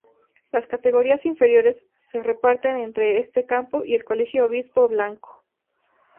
Las categorías inferiores se reparten entre este campo y el Colegio Obispo Blanco.